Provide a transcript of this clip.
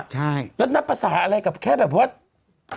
ใช่แล้วนับภาษาอะไรกับแค่แบบว่า